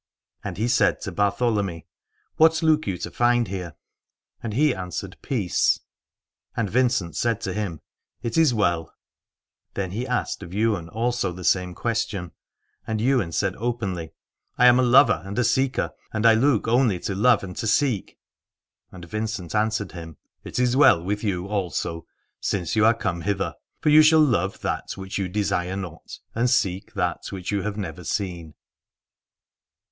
And he said to Bartholomy : What look you to find here ? And he answered Peace : and Vincent said to him, It is well. Then he asked of Ywain also the same question : and Ywain said 157 Alad ore openly : I am a lover and a seeker, and I look only to love and to seek. And Vincent answered him : It is well with you also, since you are come hither : for you shall love that which you desire not, and seek that which you have never seen.